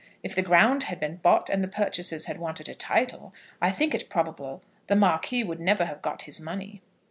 If the ground had been bought and the purchasers had wanted a title, I think it probable the Marquis would never have got his money."